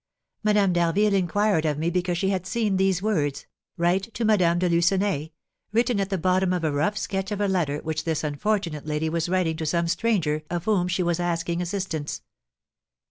Madame d'Harville inquired of me because she had seen these words, 'Write to Madame de Lucenay,' written at the bottom of a rough sketch of a letter which this unfortunate lady was writing to some stranger of whom she was asking assistance."